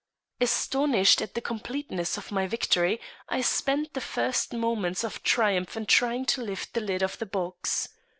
Astonished at the completeness of my victory, I spent the first moments of triumph in trying to lift the lid of the box.